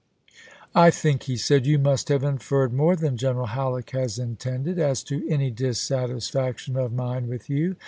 " I think," he said, " you must have inferred chap. hi. more than General Halleck has intended, as to any dissatisfaction of mine with you.